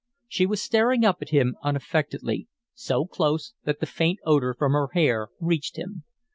She was staring up at him unaffectedly, so close that the faint odor from her hair reached him.